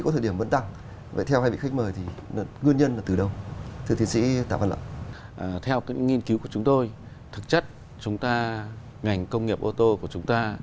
theo những nghiên cứu của chúng tôi thực chất chúng ta ngành công nghiệp ô tô của chúng ta